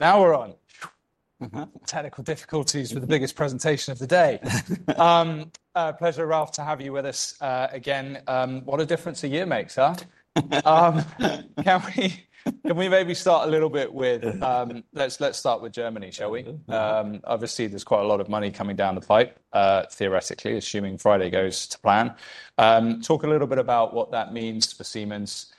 Now we're on. Mm-hmm. Technical difficulties with the biggest presentation of the day. Pleasure, Ralf, to have you with us again. What a difference a year makes, huh? Can we, can we maybe start a little bit with, let's, let's start with Germany, shall we? Obviously there's quite a lot of money coming down the pipe, theoretically, assuming Friday goes to plan. Talk a little bit about what that means for Siemens,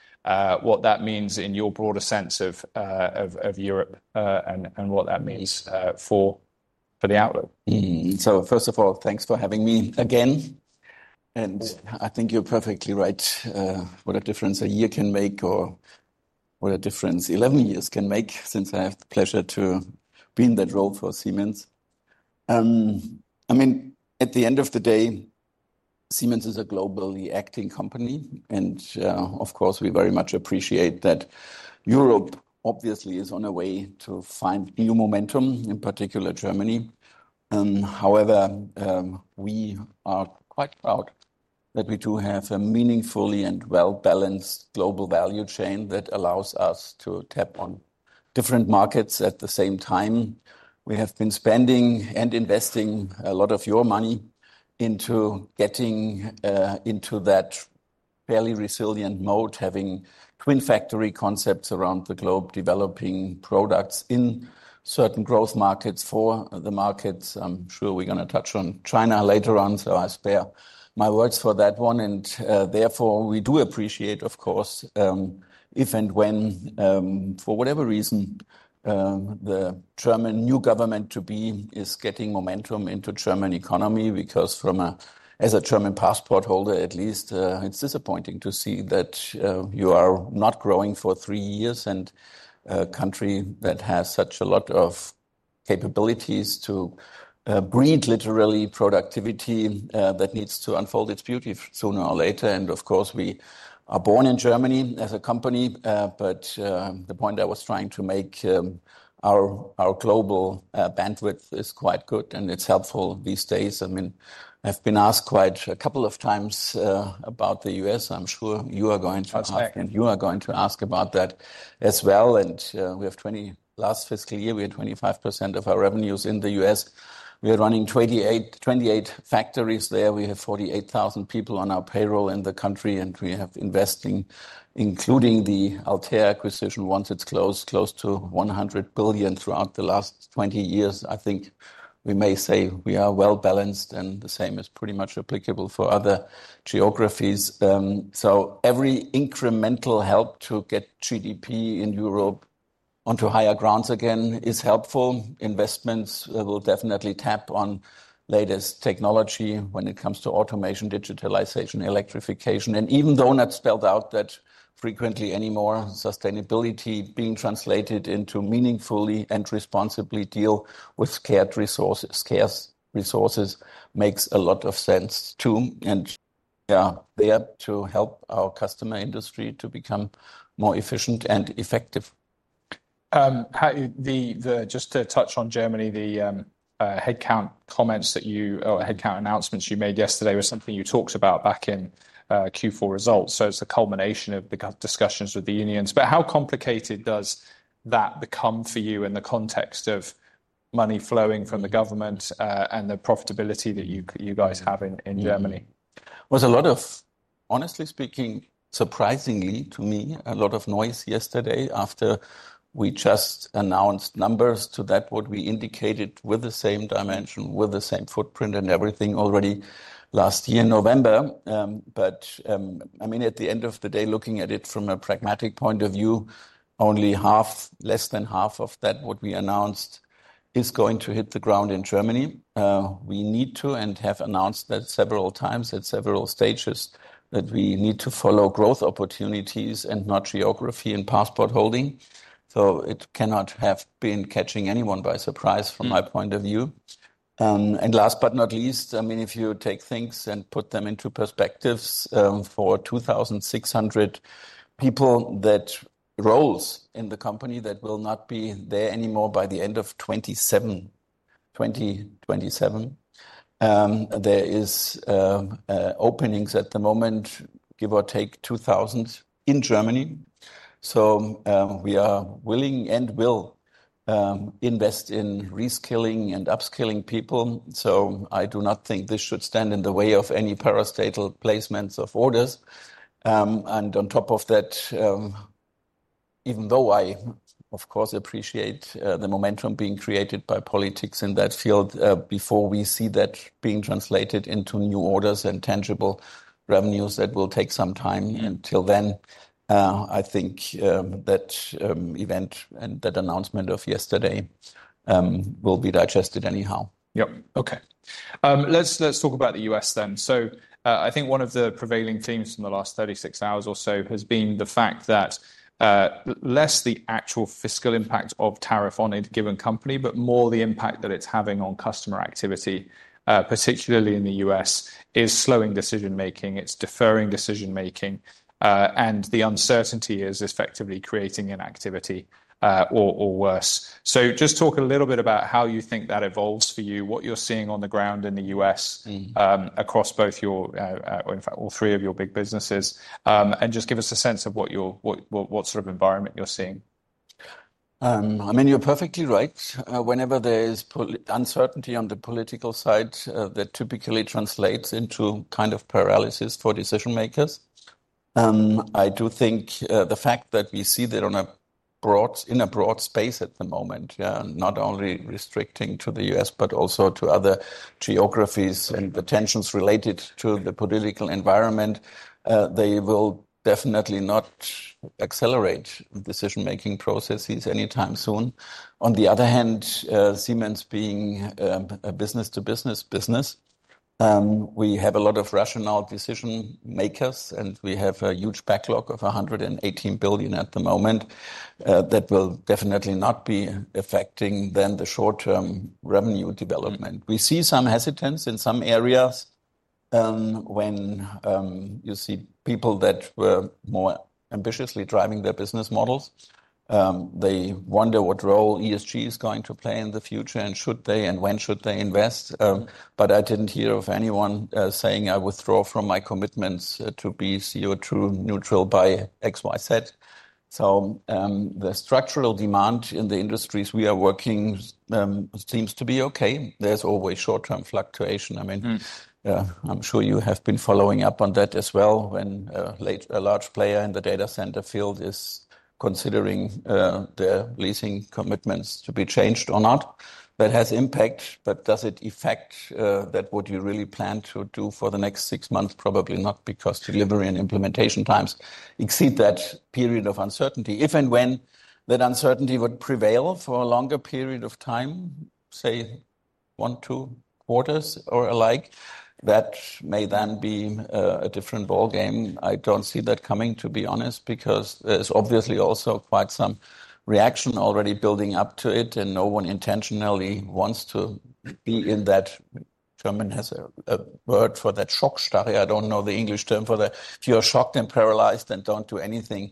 what that means in your broader sense of, of, of Europe, and, and what that means, for, for the outlook. First of all, thanks for having me again. I think you're perfectly right, what a difference a year can make or what a difference 11 years can make since I have the pleasure to be in that role for Siemens. I mean, at the end of the day, Siemens is a globally acting company. Of course, we very much appreciate that Europe obviously is on a way to find new momentum, in particular Germany. However, we are quite proud that we do have a meaningfully and well-balanced global value chain that allows us to tap on different markets at the same time. We have been spending and investing a lot of your money into getting into that fairly resilient mode, having twin factory concepts around the globe, developing products in certain growth markets for the markets. I'm sure we're gonna touch on China later on, so I spare my words for that one. Therefore, we do appreciate, of course, if and when, for whatever reason, the German new government to be is getting momentum into German economy, because from a, as a German passport holder at least, it's disappointing to see that you are not growing for three years and a country that has such a lot of capabilities to breed literally productivity, that needs to unfold its beauty sooner or later. Of course, we are born in Germany as a company. The point I was trying to make, our global bandwidth is quite good and it's helpful these days. I mean, I've been asked quite a couple of times about the US. I'm sure you are going to ask, and you are going to ask about that as well. We have, last fiscal year, we had 25% of our revenues in the U.S. We are running 28 factories there. We have 48,000 people on our payroll in the country, and we have investing, including the Altair acquisition, once it's closed, close to 100 billion throughout the last 20 years. I think we may say we are well-balanced and the same is pretty much applicable for other geographies. Every incremental help to get GDP in Europe onto higher grounds again is helpful. Investments will definitely tap on latest technology when it comes to automation, digitalization, electrification. Even though not spelled out that frequently anymore, sustainability being translated into meaningfully and responsibly deal with scarce resources makes a lot of sense too. They are to help our customer industry to become more efficient and effective. How the, just to touch on Germany, the headcount comments that you, or headcount announcements you made yesterday was something you talked about back in Q4 results. It is the culmination of the discussions with the unions. How complicated does that become for you in the context of money flowing from the government, and the profitability that you guys have in Germany? There is a lot of, honestly speaking, surprisingly to me, a lot of noise yesterday after we just announced numbers to that, what we indicated with the same dimension, with the same footprint and everything already last year, November. I mean, at the end of the day, looking at it from a pragmatic point of view, only half, less than half of that, what we announced is going to hit the ground in Germany. We need to, and have announced that several times at several stages that we need to follow growth opportunities and not geography and passport holding. It cannot have been catching anyone by surprise from my point of view. Last but not least, I mean, if you take things and put them into perspective, for 2,600 people, that roles in the company that will not be there anymore by the end of 2027, there is, openings at the moment, give or take 2,000 in Germany. We are willing and will invest in reskilling and upskilling people. I do not think this should stand in the way of any parastatal placements of orders. On top of that, even though I, of course, appreciate the momentum being created by politics in that field, before we see that being translated into new orders and tangible revenues, that will take some time. Until then, I think that event and that announcement of yesterday will be digested anyhow. Yep. Okay. Let's talk about the U.S. then. I think one of the prevailing themes from the last 36 hours or so has been the fact that, less the actual fiscal impact of tariff on a given company, but more the impact that it's having on customer activity, particularly in the U.S. is slowing decision making. It's deferring decision making, and the uncertainty is effectively creating inactivity, or, or worse. Just talk a little bit about how you think that evolves for you, what you're seeing on the ground in the U.S., across both your, or in fact all three of your big businesses, and just give us a sense of what your, what, what, what sort of environment you're seeing. I mean, you're perfectly right. Whenever there is uncertainty on the political side, that typically translates into kind of paralysis for decision makers. I do think the fact. that we see that in a broad space at the moment, not only restricting to the U.S., but also to other geographies and the tensions related to the political environment, they will definitely not accelerate decision making processes anytime soon. On the other hand, Siemens being a business to business business, we have a lot of rational decision makers and we have a huge backlog of 118 billion at the moment, that will definitely not be affecting then the short term revenue development. We see some hesitance in some areas, when you see people that were more ambitiously driving their business models, they wonder what role ESG is going to play in the future and should they and when should they invest. I did not hear of anyone saying I withdraw from my commitments to be CO2 neutral by X, Y, Z. The structural demand in the industries we are working seems to be okay. There is always short term fluctuation. I mean, I am sure you have been following up on that as well when, late, a large player in the data center field is considering the leasing commitments to be changed or not. That has impact, but does it affect what you really plan to do for the next six months? Probably not, because delivery and implementation times exceed that period of uncertainty. If and when that uncertainty would prevail for a longer period of time, say one, two quarters or alike, that may then be a different ball game. I do not see that coming, to be honest, because there is obviously also quite some reaction already building up to it and no one intentionally wants to be in that. German has a word for that, Schockstarre. I do not know the English term for that. If you are shocked and paralyzed and do not do anything,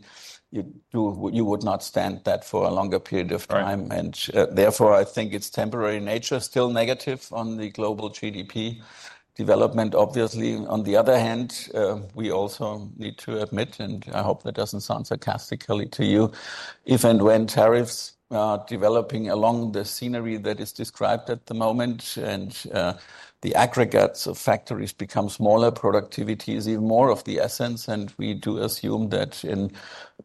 you would not stand that for a longer period of time. Therefore I think it is temporary in nature, still negative on the global GDP development. Obviously, on the other hand, we also need to admit, and I hope that does not sound sarcastically to you, if and when tariffs are developing along the scenery that is described at the moment and the aggregates of factories become smaller, productivity is even more of the essence. We do assume that in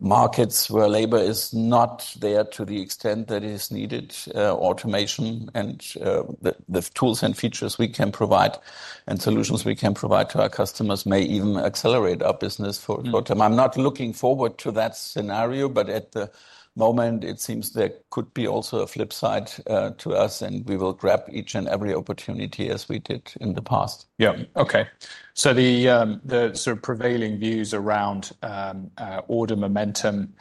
markets where labor is not there to the extent that it is needed, automation and the tools and features we can provide and solutions we can provide to our customers may even accelerate our business for a short term. I am not looking forward to that scenario, but at the moment it seems there could be also a flip side to us and we will grab each and every opportunity as we did in the past. Yeah. Okay. So the sort of prevailing views around order momentum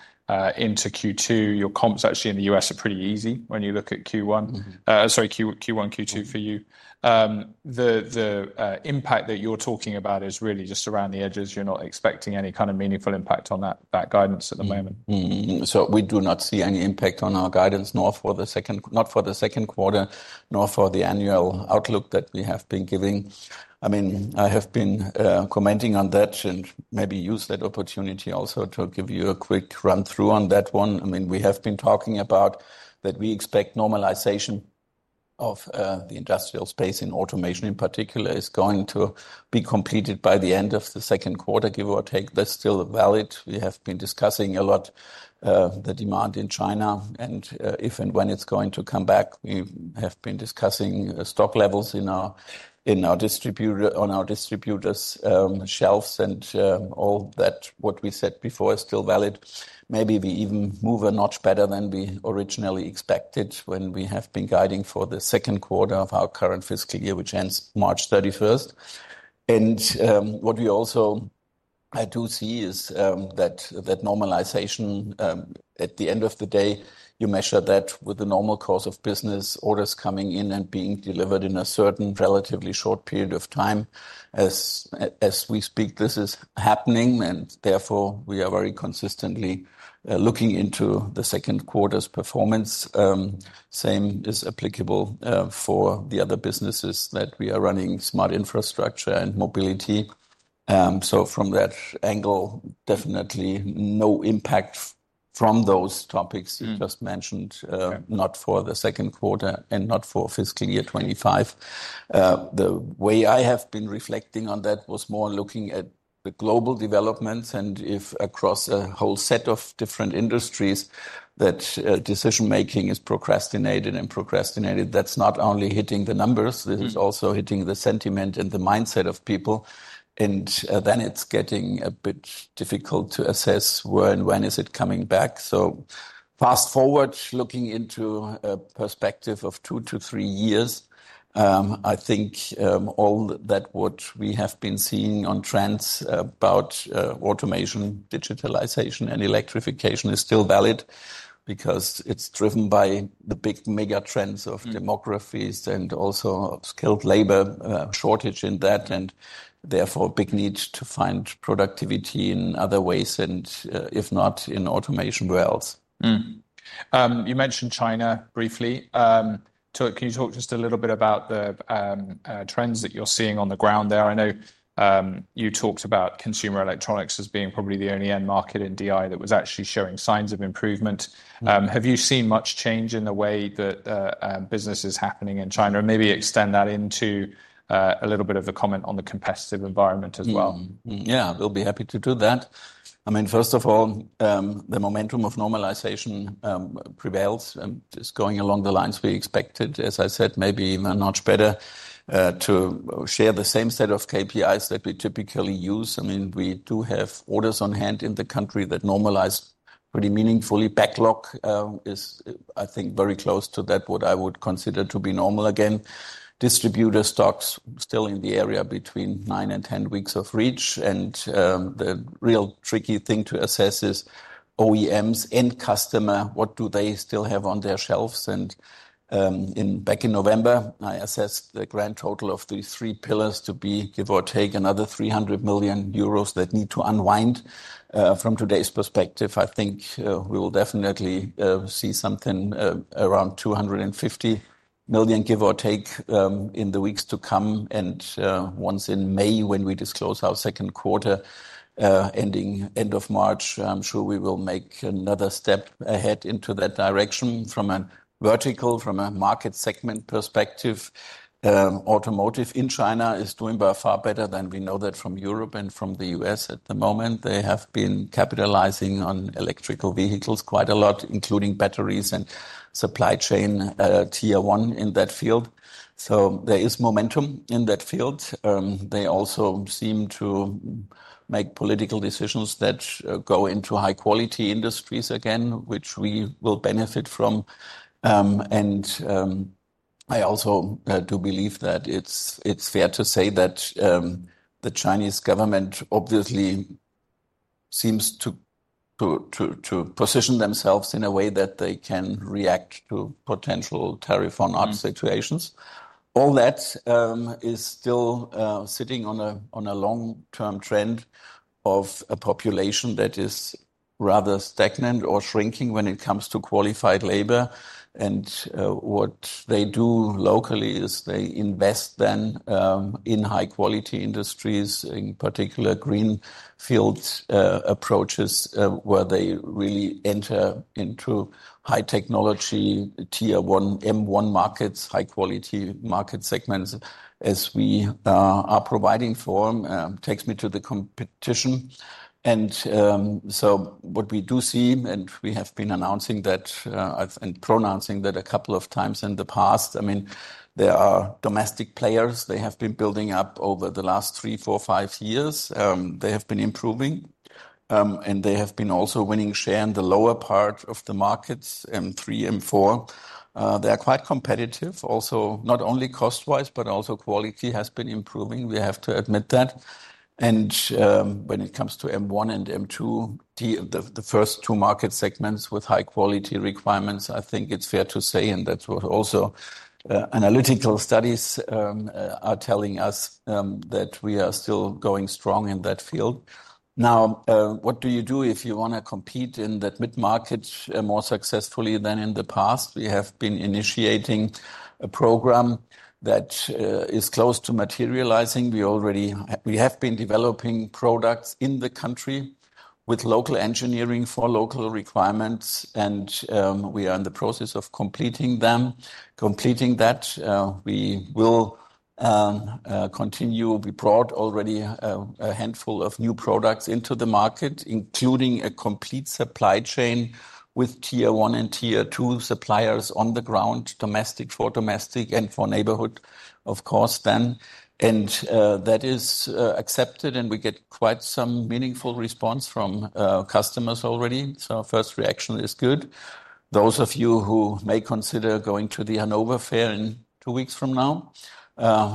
into Q2, your comps actually in the US are pretty easy when you look at Q1, sorry, Q1, Q2 for you. The impact that you are talking about is really just around the edges. You're not expecting any kind of meaningful impact on that guidance at the moment. Mm-hmm. We do not see any impact on our guidance, nor for the second, not for the second quarter, nor for the annual outlook that we have been giving. I mean, I have been commenting on that and maybe use that opportunity also to give you a quick run through on that one. I mean, we have been talking about that we expect normalization of the industrial space in automation in particular is going to be completed by the end of the second quarter, give or take. That's still valid. We have been discussing a lot, the demand in China and, if and when it's going to come back. We have been discussing stock levels in our, in our distributor, on our distributors' shelves and, all that. What we said before is still valid. Maybe we even move a notch better than we originally expected when we have been guiding for the second quarter of our current fiscal year, which ends March 31st. What we also do see is that that normalization, at the end of the day, you measure that with the normal course of business orders coming in and being delivered in a certain relatively short period of time. As we speak, this is happening and therefore we are very consistently looking into the second quarter's performance. The same is applicable for the other businesses that we are running, Smart Infrastructure and Mobility. From that angle, definitely no impact from those topics you just mentioned, not for the second quarter and not for fiscal year 2025. The way I have been reflecting on that was more looking at the global developments and if across a whole set of different industries that, decision making is procrastinated and procrastinated, that's not only hitting the numbers, this is also hitting the sentiment and the mindset of people. It is getting a bit difficult to assess where and when is it coming back. Fast forward looking into a perspective of two to three years, I think, all that what we have been seeing on trends about automation, digitalization and electrification is still valid because it's driven by the big mega trends of demographics and also skilled labor, shortage in that and therefore a big need to find productivity in other ways and, if not in automation, where else. Mm-hmm. You mentioned China briefly. Can you talk just a little bit about the trends that you are seeing on the ground there? I know you talked about consumer electronics as being probably the only end market in DI that was actually showing signs of improvement. Have you seen much change in the way that business is happening in China and maybe extend that into a little bit of a comment on the competitive environment as well? Yeah, we'll be happy to do that. I mean, first of all, the momentum of normalization prevails and is going along the lines we expected. As I said, maybe even a notch better, to share the same set of KPIs that we typically use. I mean, we do have orders on hand in the country that normalize pretty meaningfully. Backlog is, I think, very close to that, what I would consider to be normal. Again, distributor stocks still in the area between nine and 10 weeks of reach. The real tricky thing to assess is OEMs and customer. What do they still have on their shelves? In back in November, I assessed the grand total of these three pillars to be, give or take, another 300 million euros that need to unwind, from today's perspective. I think we will definitely see something around 250 million, give or take, in the weeks to come. Once in May, when we disclose our second quarter, ending end of March, I'm sure we will make another step ahead into that direction from a vertical, from a market segment perspective. Automotive in China is doing by far better than we know that from Europe and from the U.S. at the moment. They have been capitalizing on electrical vehicles quite a lot, including batteries and supply chain, Tier 1 in that field. There is momentum in that field. They also seem to make political decisions that go into high quality industries again, which we will benefit from. I also do believe that it's fair to say that the Chinese government obviously seems to position themselves in a way that they can react to potential tariff situations. All that is still sitting on a long-term trend of a population that is rather stagnant or shrinking when it comes to qualified labor. What they do locally is they invest in high quality industries, in particular green fields approaches, where they really enter into high technology Tier 1, M1 markets, high quality market segments as we are providing for them. That takes me to the competition. What we do see, and we have been announcing that and pronouncing that a couple of times in the past, I mean, there are domestic players. They have been building up over the last three, four, five years. They have been improving, and they have been also winning share in the lower part of the markets, M3, M4. They're quite competitive also, not only cost wise, but also quality has been improving. We have to admit that. When it comes to M1 and M2, the first two market segments with high quality requirements, I think it's fair to say, and that's what also analytical studies are telling us, that we are still going strong in that field. Now, what do you do if you want to compete in that mid-market, more successfully than in the past? We have been initiating a program that is close to materializing. We already, we have been developing products in the country with local engineering for local requirements. We are in the process of completing them, completing that. We will continue. We brought already, a handful of new products into the market, including a complete supply chain with Tier 1 and Tier 2 suppliers on the ground, domestic for domestic and for neighborhood, of course. That is accepted and we get quite some meaningful response from customers already. Our first reaction is good. Those of you who may consider going to the Hannover Fair in two weeks from now,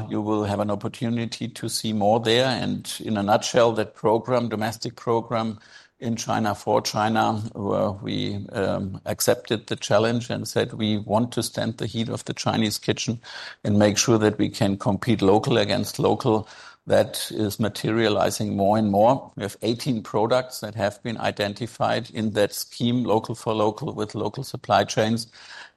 you will have an opportunity to see more there. In a nutshell, that program, domestic program in China for China, where we accepted the challenge and said we want to stand the heat of the Chinese kitchen and make sure that we can compete local against local, that is materializing more and more. We have 18 products that have been identified in that scheme, local for local with local supply chains.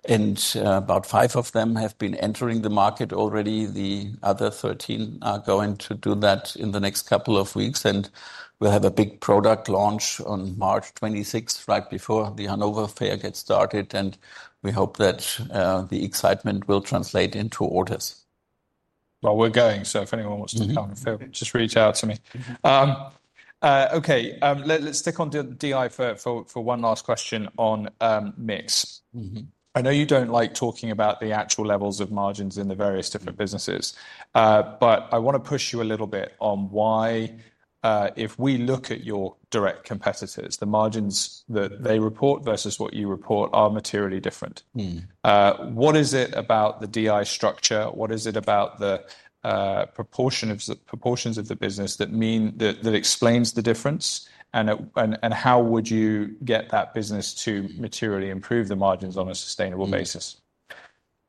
About five of them have been entering the market already. The other 13 are going to do that in the next couple of weeks. We will have a big product launch on March 26, right before the Hannover Fair gets started. We hope that the excitement will translate into orders. While we're going, so if anyone wants to come to fair, just reach out to me. Okay. Let's stick on to DI for one last question on mix. Mm-hmm. I know you don't like talking about the actual levels of margins in the various different businesses, but I wanna push you a little bit on why, if we look at your direct competitors, the margins that they report versus what you report are materially different. Mm-hmm. What is it about the DI structure? What is it about the proportion of the proportions of the business that mean that, that explains the difference? It, and how would you get that business to materially improve the margins on a sustainable basis?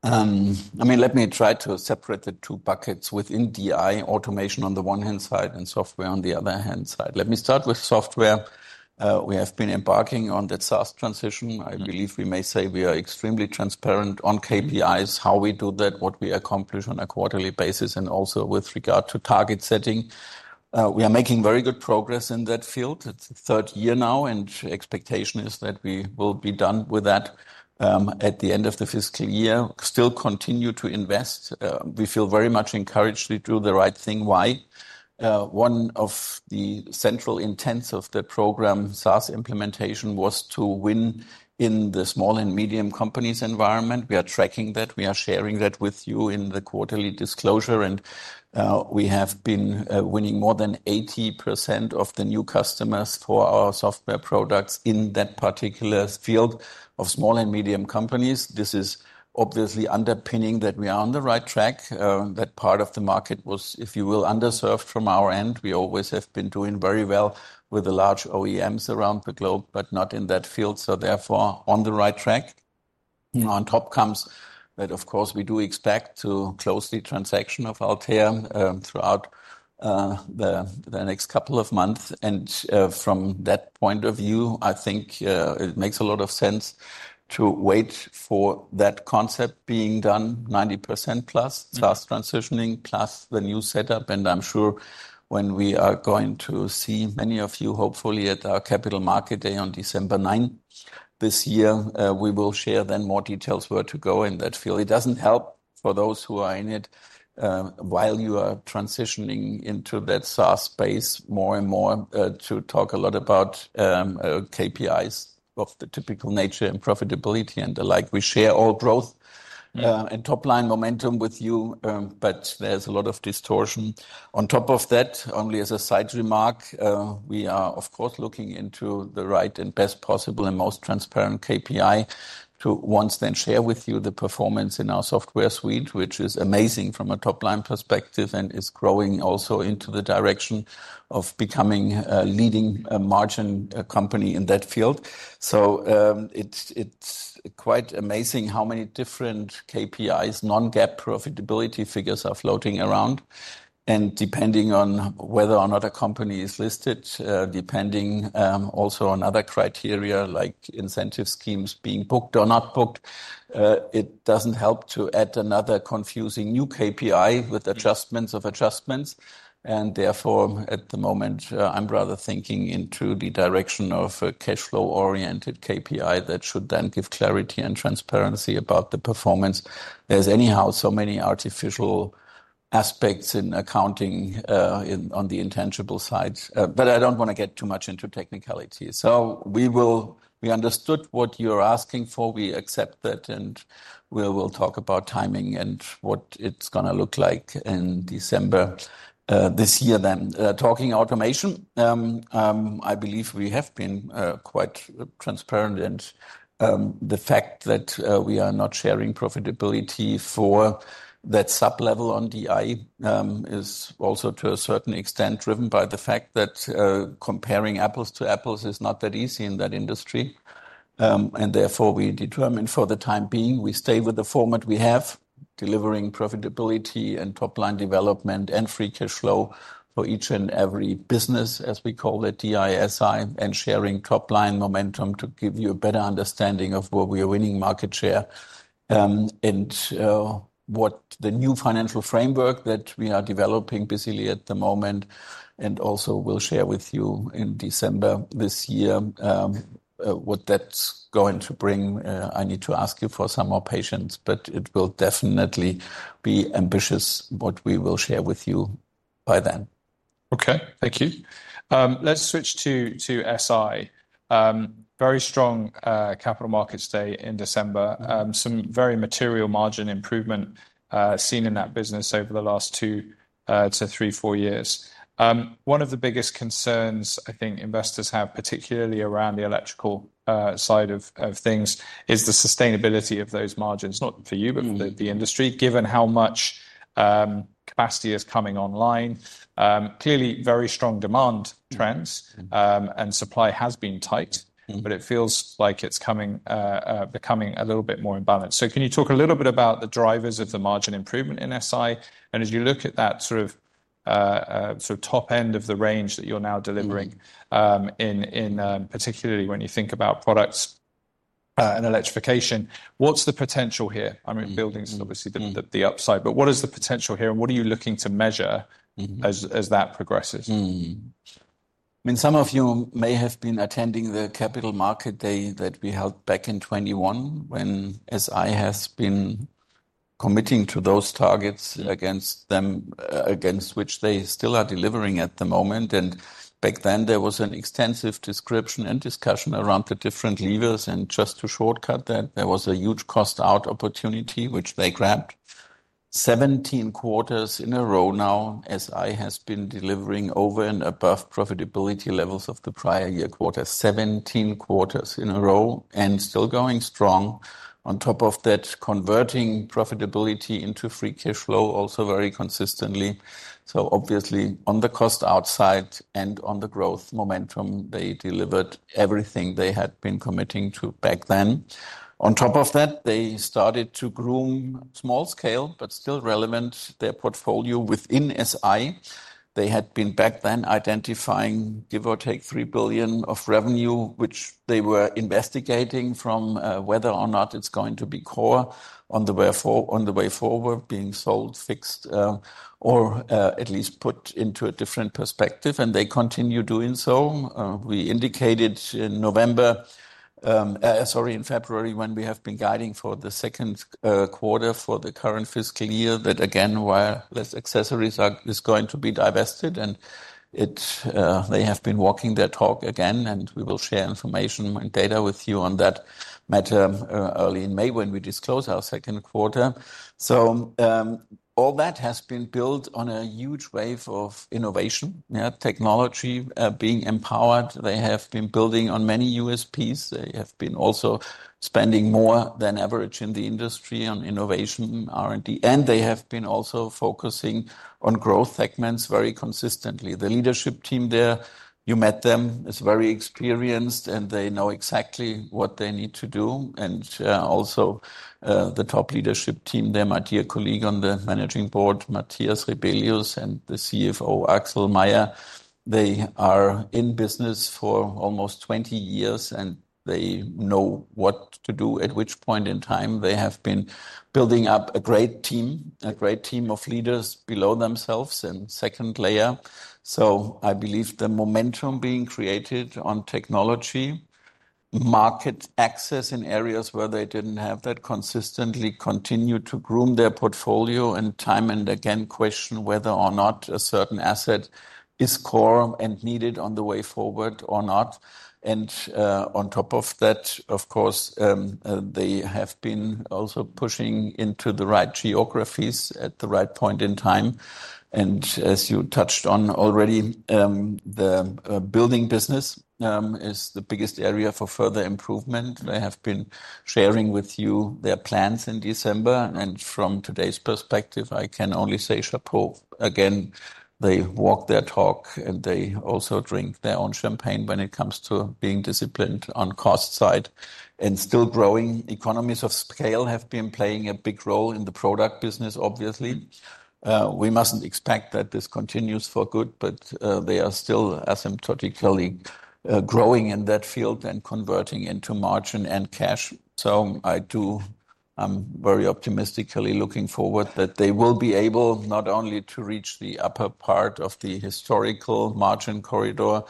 I mean, let me try to separate the two buckets within DI automation on the one hand side and software on the other hand side. Let me start with software. We have been embarking on the SaaS transition. I believe we may say we are extremely transparent on KPIs, how we do that, what we accomplish on a quarterly basis. Also with regard to target setting, we are making very good progress in that field. It's the third year now, and expectation is that we will be done with that at the end of the fiscal year, still continue to invest. We feel very much encouraged to do the right thing. Why? One of the central intents of the program, SaaS implementation, was to win in the small and medium companies environment. We are tracking that. We are sharing that with you in the quarterly disclosure. We have been winning more than 80% of the new customers for our software products in that particular field of small and medium companies. This is obviously underpinning that we are on the right track. That part of the market was, if you will, underserved from our end. We always have been doing very well with the large OEMs around the globe, but not in that field. Therefore, on the right track. On top comes that, of course, we do expect to close the transaction of Altair throughout the next couple of months. From that point of view, I think it makes a lot of sense to wait for that concept being done, 90% plus SaaS transitioning plus the new setup. I'm sure when we are going to see many of you, hopefully at our Capital Market Day on December 9th this year, we will share then more details where to go in that field. It doesn't help for those who are in it, while you are transitioning into that SaaS space more and more, to talk a lot about KPIs of the typical nature and profitability and the like. We share all growth and top line momentum with you, but there's a lot of distortion on top of that. Only as a side remark, we are of course looking into the right and best possible and most transparent KPI to once then share with you the performance in our software suite, which is amazing from a top line perspective and is growing also into the direction of becoming a leading margin company in that field. It's quite amazing how many different KPIs, non-GAAP profitability figures are floating around. Depending on whether or not a company is listed, depending also on other criteria like incentive schemes being booked or not booked, it does not help to add another confusing new KPI with adjustments of adjustments. Therefore at the moment, I'm rather thinking into the direction of a cashflow oriented KPI that should then give clarity and transparency about the performance. There are anyhow so many artificial aspects in accounting, on the intangible side, but I do not want to get too much into technicality. We understood what you are asking for. We accept that and we will talk about timing and what it is going to look like in December, this year then. Talking automation, I believe we have been quite transparent, and the fact that we are not sharing profitability for that sub level on DI is also to a certain extent driven by the fact that comparing apples to apples is not that easy in that industry. Therefore, we determine for the time being we stay with the format we have, delivering profitability and top line development and free cashflow for each and every business, as we call it DI, SI and sharing top line momentum to give you a better understanding of where we are winning market share. What the new financial framework that we are developing busily at the moment and also will share with you in December this year, what that is going to bring. I need to ask you for some more patience, but it will definitely be ambitious what we will share with you by then. Okay, thank you. Let's switch to SI. Very strong Capital Markets Day in December. Some very material margin improvement seen in that business over the last two to three, four years. One of the biggest concerns I think investors have, particularly around the electrical side of things, is the sustainability of those margins, not for you, but for the industry, given how much capacity is coming online. Clearly very strong demand trends, and supply has been tight, but it feels like it's becoming a little bit more in balance. Can you talk a little bit about the drivers of the margin improvement in SI? As you look at that sort of top end of the range that you are now delivering, particularly when you think about products and electrification, what's the potential here? I mean, buildings is obviously the upside, but what is the potential here and what are you looking to measure as that progresses? Mm-hmm. I mean, some of you may have been attending the Capital Market Day that we held back in 2021 when SI has been committing to those targets against them, against which they still are delivering at the moment. Back then there was an extensive description and discussion around the different levers. Just to shortcut that, there was a huge cost out opportunity, which they grabbed 17 quarters in a row now. SI has been delivering over and above profitability levels of the prior year quarter, 17 quarters in a row and still going strong. On top of that, converting profitability into free cashflow also very consistently. Obviously on the cost out side and on the growth momentum, they delivered everything they had been committing to back then. On top of that, they started to groom small scale, but still relevant, their portfolio within SI. They had been back then identifying, give or take, 3 billion of revenue, which they were investigating from, whether or not it's going to be core on the way forward being sold, fixed, or at least put into a different perspective. They continue doing so. We indicated in November, sorry, in February when we have been guiding for the second quarter for the current fiscal year that again, while less accessories are going to be divested, and they have been walking their talk again, and we will share information and data with you on that matter early in May when we disclose our second quarter. All that has been built on a huge wave of innovation, technology, being empowered. They have been building on many USPs. They have been also spending more than average in the industry on innovation, R&D, and they have been also focusing on growth segments very consistently. The leadership team there, you met them, is very experienced and they know exactly what they need to do. The top leadership team there, my dear colleague on the Managing Board, Matthias Rebellius, and the CFO Axel Meier, they are in business for almost 20 years and they know what to do, at which point in time they have been building up a great team, a great team of leaders below themselves and second layer. I believe the momentum being created on technology market access in areas where they did not have that consistently continue to groom their portfolio and time and again question whether or not a certain asset is core and needed on the way forward or not. Of course, they have been also pushing into the right geographies at the right point in time. As you touched on already, the building business is the biggest area for further improvement. They have been sharing with you their plans in December. From today's perspective, I can only say chapeau again. They walk their talk and they also drink their own champagne when it comes to being disciplined on the cost side and still growing. Economies of scale have been playing a big role in the product business, obviously. We mustn't expect that this continues for good, but they are still asymptotically growing in that field and converting into margin and cash. I do, I'm very optimistically looking forward that they will be able not only to reach the upper part of the historical margin corridor,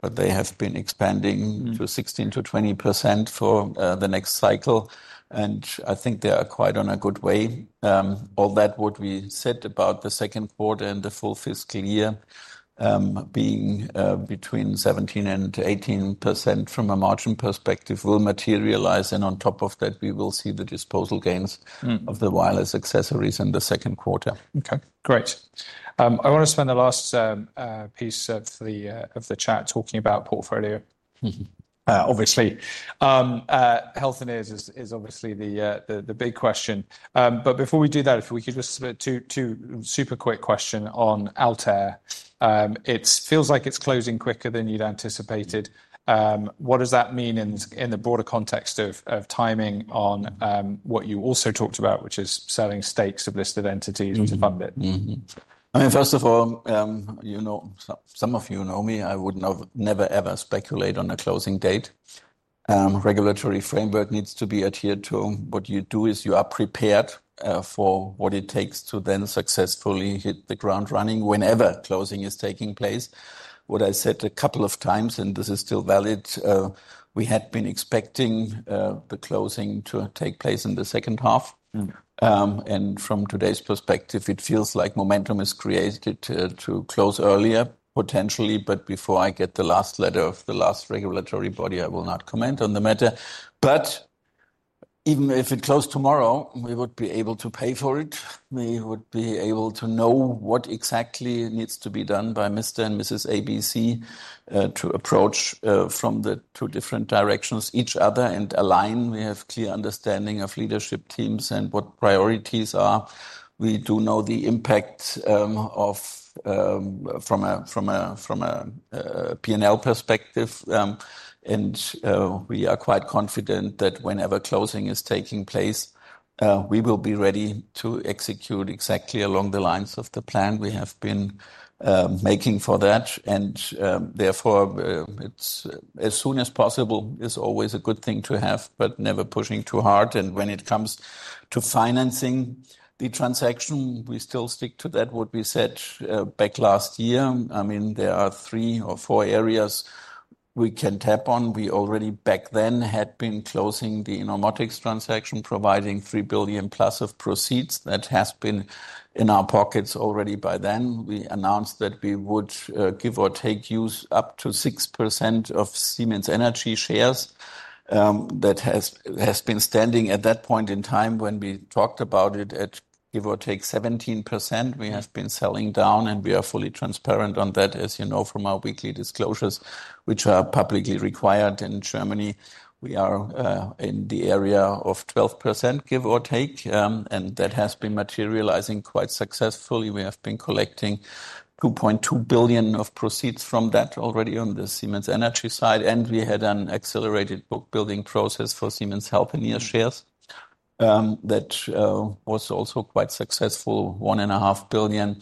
but they have been expanding to 16%-20% for the next cycle. I think they are quite on a good way. All that what we said about the second quarter and the full fiscal year, being between 17% and 18% from a margin perspective, will materialize. On top of that, we will see the disposal gains of the wireless accessories in the second quarter. Okay, great. I wanna spend the last piece of the chat talking about portfolio. Mm-hmm. Obviously, Healthineers is obviously the big question. Before we do that, if we could just, two super quick questions on Altair. It feels like it's closing quicker than you'd anticipated. What does that mean in the broader context of timing on what you also talked about, which is selling stakes of listed entities to fund it? Mm-hmm. I mean, first of all, you know, some of you know me, I would never, ever speculate on a closing date. Regulatory framework needs to be adhered to. What you do is you are prepared for what it takes to then successfully hit the ground running whenever closing is taking place. What I said a couple of times, and this is still valid, we had been expecting the closing to take place in the second half. From today's perspective, it feels like momentum is created to close earlier potentially. Before I get the last letter of the last regulatory body, I will not comment on the matter. Even if it closed tomorrow, we would be able to pay for it. We would be able to know what exactly needs to be done by Mr. and Mrs. ABC, to approach from the two different directions, each other and align. We have a clear understanding of leadership teams and what priorities are. We do know the impact, from a P&L perspective. I mean, we are quite confident that whenever closing is taking place, we will be ready to execute exactly along the lines of the plan we have been making for that. Therefore, as soon as possible is always a good thing to have, but never pushing too hard. When it comes to financing the transaction, we still stick to what we said back last year. I mean, there are three or four areas we can tap on. We already back then had been closing the Innomotics transaction, providing 3 billion plus of proceeds that has been in our pockets already by then. We announced that we would, give or take, use up to 6% of Siemens Energy shares. That has been standing at that point in time when we talked about it at, give or take, 17%. We have been selling down and we are fully transparent on that, as you know, from our weekly disclosures, which are publicly required in Germany. We are in the area of 12%, give or take, and that has been materializing quite successfully. We have been collecting 2.2 billion of proceeds from that already on the Siemens Energy side. We had an accelerated book building process for Siemens Healthineers shares that was also quite successful, 1.5 billion.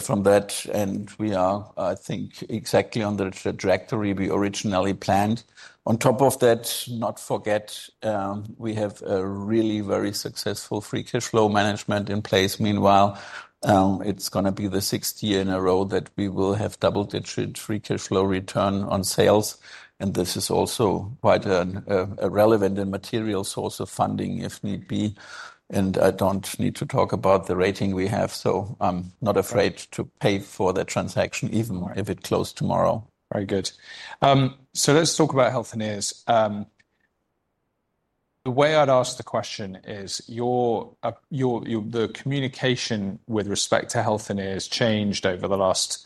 From that, we are, I think, exactly on the trajectory we originally planned. On top of that, not to forget, we have a really very successful free cash flow management in place. Meanwhile, it's gonna be the sixth year in a row that we will have double-digit free cashflow return on sales. This is also quite a relevant and material source of funding if need be. I don't need to talk about the rating we have. I'm not afraid to pay for the transaction even if it closes tomorrow. Very good. Let's talk about Healthineers. The way I'd ask the question is, the communication with respect to Healthineers changed over the last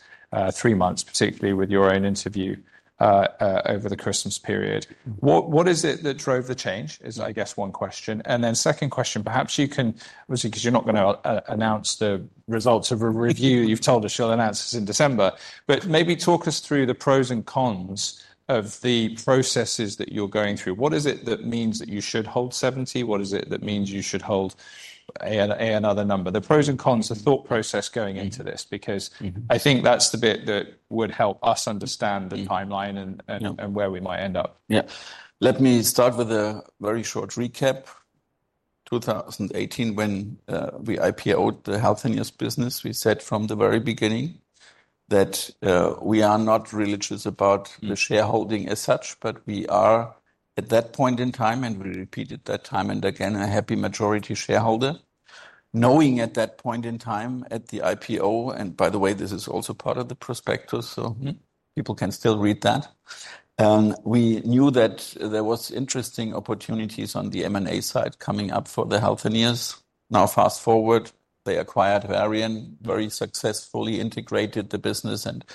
three months, particularly with your own interview over the Christmas period. What is it that drove the change is, I guess, one question. And then second question, perhaps you can, obviously, because you're not going to announce the results of a review that you've told us you'll announce this in December, but maybe talk us through the pros and cons of the processes that you are going through. What is it that means that you should hold 70? What is it that means you should hold another number? The pros and cons, the thought process going into this, because I think that's the bit that would help us understand the timeline and where we might end up. Yeah. Let me start with a very short recap. In 2018, when we IPO'd the Healthineers business, we said from the very beginning that we are not religious about the shareholding as such, but we are at that point in time, and we repeated that time and again, a happy majority shareholder, knowing at that point in time at the IPO, and by the way, this is also part of the prospectus, so people can still read that. We knew that there were interesting opportunities on the M&A side coming up for the Healthineers. Now, fast forward, they acquired Varian, very successfully integrated the business and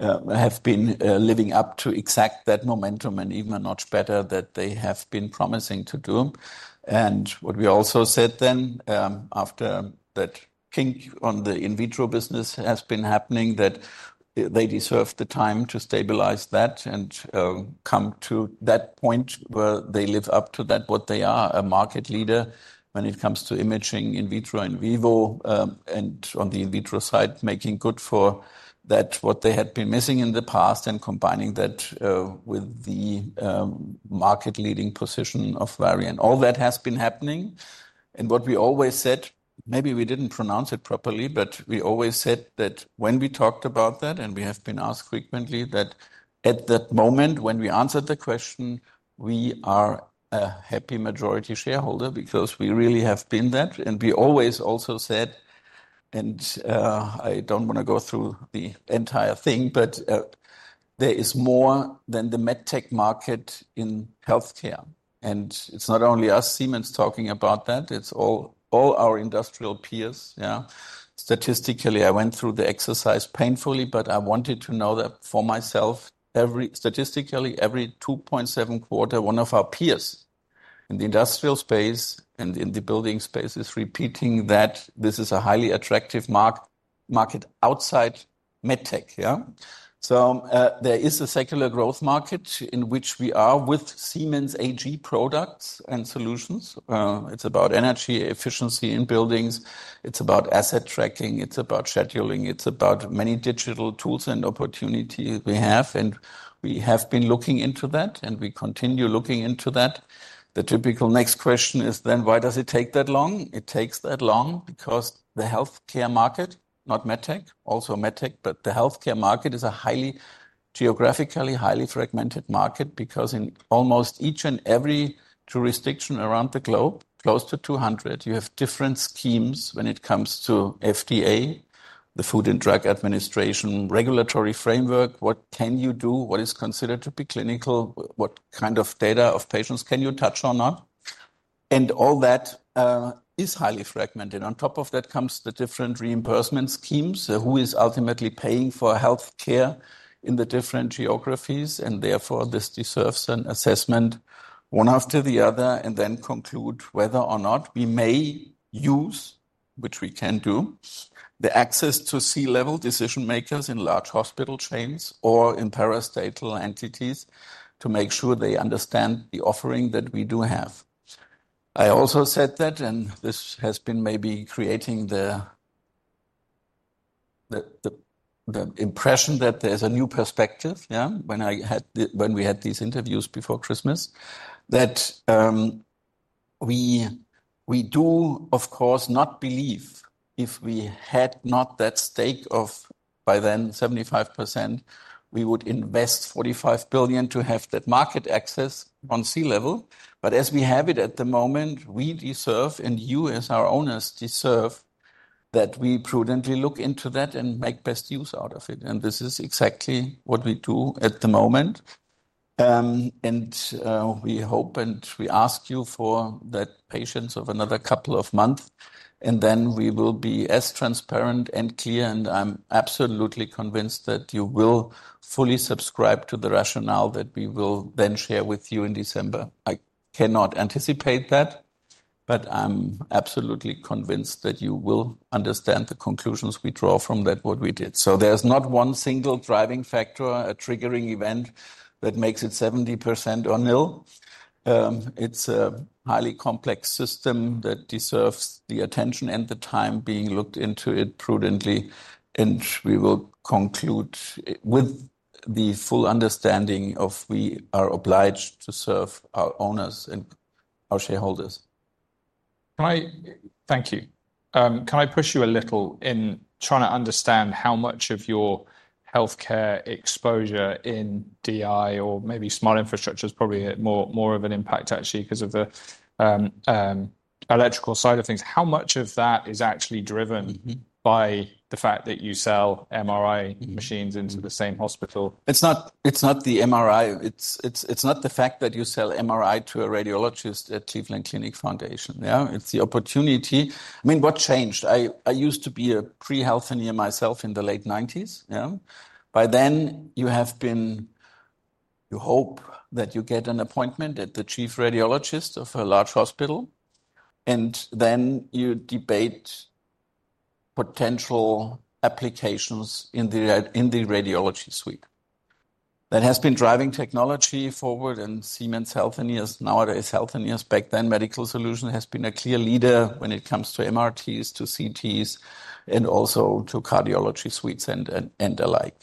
have been living up to exactly that momentum and even a notch better that they have been promising to do. What we also said then, after that kink on the in vitro business has been happening, is that they deserve the time to stabilize that and come to that point where they live up to that, what they are, a market leader when it comes to imaging in vitro and in vivo, and on the in vitro side, making good for that, what they had been missing in the past and combining that with the market leading position of Varian. All that has been happening. What we always said, maybe we did not pronounce it properly, but we always said that when we talked about that, and we have been asked frequently that at that moment when we answered the question, we are a happy majority shareholder because we really have been that. We always also said, and, I don't wanna go through the entire thing, but there is more than the MedTech market in healthcare. It's not only us, Siemens, talking about that, it's all our industrial peers. Yeah. Statistically, I went through the exercise painfully, but I wanted to know that for myself. Every, statistically, every 2.7 quarter, one of our peers in the industrial space and in the building space is repeating that this is a highly attractive market outside MedTech. Yeah. There is a secular growth market in which we are with Siemens AG products and solutions. It's about energy efficiency in buildings. It's about asset tracking. It's about scheduling. It's about many digital tools and opportunities we have. We have been looking into that and we continue looking into that. The typical next question is then, why does it take that long? It takes that long because the healthcare market, not MedTech, also MedTech, but the healthcare market is a highly geographically highly fragmented market because in almost each and every jurisdiction around the globe, close to 200, you have different schemes when it comes to FDA, the Food and Drug Administration, regulatory framework, what can you do, what is considered to be clinical, what kind of data of patients can you touch or not? All that is highly fragmented. On top of that comes the different reimbursement schemes. Who is ultimately paying for healthcare in the different geographies? Therefore, this deserves an assessment one after the other and then conclude whether or not we may use, which we can do, the access to C-level decision makers in large hospital chains or in parastatal entities to make sure they understand the offering that we do have. I also said that, and this has been maybe creating the impression that there's a new perspective. Yeah. When I had the, when we had these interviews before Christmas, that we do of course not believe if we had not that stake of by then 75%, we would invest 4.5 billion to have that market access on C-level. As we have it at the moment, we deserve, and you as our owners deserve that we prudently look into that and make best use out of it. This is exactly what we do at the moment. We hope and we ask you for that patience of another couple of months, and then we will be as transparent and clear. I am absolutely convinced that you will fully subscribe to the rationale that we will then share with you in December. I cannot anticipate that, but I am absolutely convinced that you will understand the conclusions we draw from that what we did. There is not one single driving factor, a triggering event that makes it 70% or nil. It is a highly complex system that deserves the attention and the time being looked into it prudently. We will conclude with the full understanding of we are obliged to serve our owners and our shareholders. Can I, thank you. Can I push you a little in trying to understand how much of your healthcare exposure in DI or maybe Smart Infrastructure is probably more, more of an impact actually 'cause of the electrical side of things. How much of that is actually driven by the fact that you sell MRI machines into the same hospital? It's not, it's not the MRI. It's, it's, it's not the fact that you sell MRI to a radiologist at Cleveland Clinic Foundation. Yeah. It's the opportunity. I mean, what changed? I, I used to be pre-health myself in the late 1990s. Yeah. By then you have been, you hope that you get an appointment at the chief radiologist of a large hospital, and then you debate potential applications in the radiology suite that has been driving technology forward. And Siemens Healthineers nowadays, Healthineers back then, Medical Solutions has been a clear leader when it comes to MRIs, to CTs, and also to cardiology suites and the like.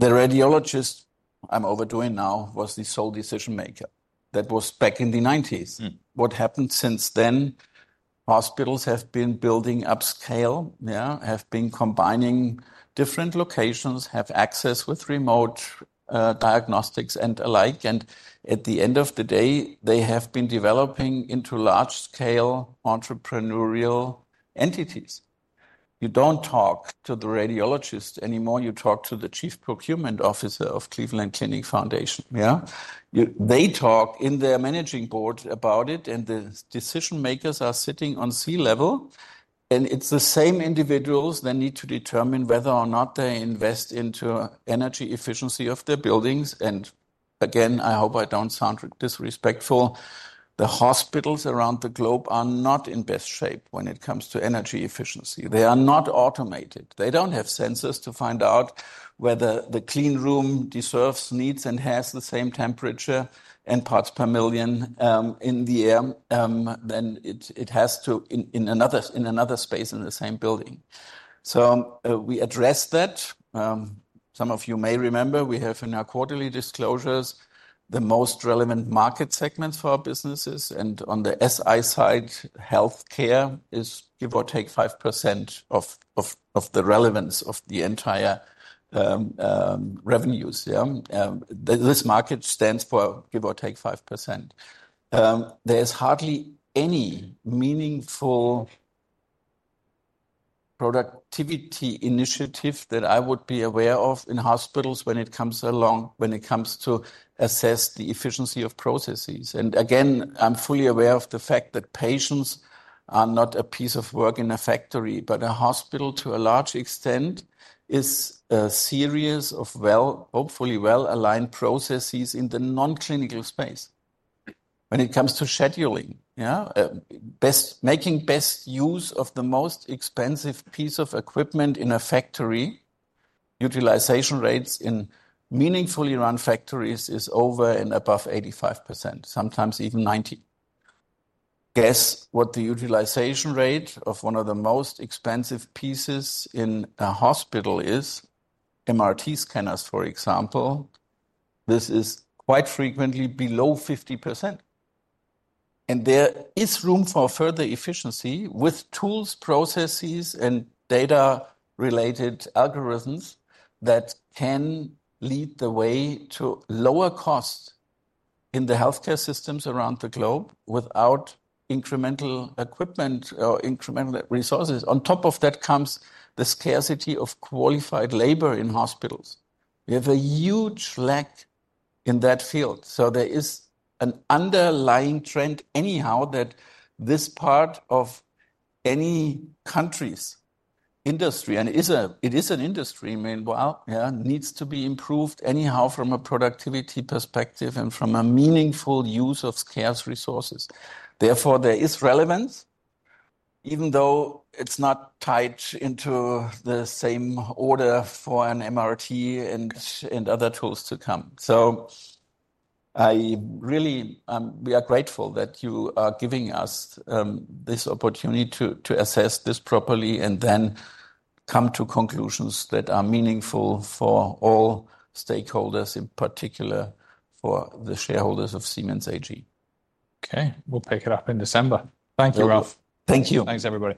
The radiologist I'm overdoing now was the sole decision maker. That was back in the 1990s. What happened since then? Hospitals have been building upscale. Yeah. Have been combining different locations, have access with remote, diagnostics and alike. At the end of the day, they have been developing into large scale entrepreneurial entities. You do not talk to the radiologist anymore. You talk to the Chief Procurement Officer of Cleveland Clinic Foundation. Yeah. They talk in their managing board about it, and the decision makers are sitting on C-level, and it is the same individuals that need to determine whether or not they invest into energy efficiency of their buildings. I hope I do not sound disrespectful. The hospitals around the globe are not in best shape when it comes to energy efficiency. They are not automated. They don't have sensors to find out whether the clean room deserves, needs, and has the same temperature and parts per million in the air than it has to in another space in the same building. We address that. Some of you may remember we have in our quarterly disclosures the most relevant market segments for our businesses. On the SI side, healthcare is give or take 5% of the relevance of the entire revenues. Yeah. This market stands for give or take 5%. There's hardly any meaningful productivity initiative that I would be aware of in hospitals when it comes to assess the efficiency of processes. I'm fully aware of the fact that patients are not a piece of work in a factory, but a hospital to a large extent is a series of, well, hopefully well-aligned processes in the non-clinical space when it comes to scheduling. Yeah. Best making best use of the most expensive piece of equipment in a factory, utilization rates in meaningfully run factories is over and above 85%, sometimes even 90%. Guess what the utilization rate of one of the most expensive pieces in a hospital is? MRI scanners, for example. This is quite frequently below 50%. There is room for further efficiency with tools, processes, and data-related algorithms that can lead the way to lower costs in the healthcare systems around the globe without incremental equipment or incremental resources. On top of that comes the scarcity of qualified labor in hospitals. We have a huge lack in that field. There is an underlying trend anyhow that this part of any country's industry, and it is an industry, meanwhile, yeah, needs to be improved anyhow from a productivity perspective and from a meaningful use of scarce resources. Therefore, there is relevance, even though it's not tied into the same order for an MRI and other tools to come. I really, we are grateful that you are giving us this opportunity to assess this properly and then come to conclusions that are meaningful for all stakeholders, in particular for the shareholders of Siemens AG. Okay. We'll pick it up in December. Thank you, Ralf. Thank you. Thanks everybody.